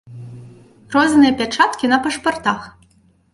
Розныя пячаткі на пашпартах.